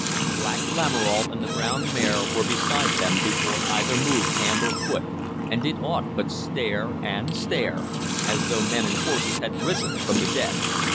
Black Lamoral and the brown mare were beside them before either moved hand or foot, or did aught but stare and stare, as though men and horses had risen from the dead.